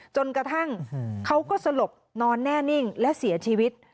จนกระทั่งเขาก็สลบนอนแน่นิ่งและเสียชีวิต